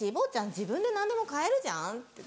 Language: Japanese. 自分で何でも買えるじゃん」って。